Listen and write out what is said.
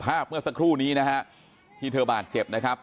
เมื่อสักครู่นี้นะฮะที่เธอบาดเจ็บนะครับ